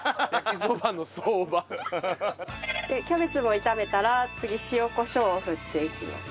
キャベツも炒めたら次塩コショウを振っていきます。